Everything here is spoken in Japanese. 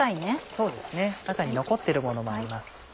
そうですね中に残ってるものもあります。